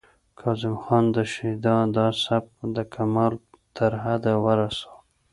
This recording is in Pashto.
کاظم خان شیدا دا سبک د کمال تر حده ورساوه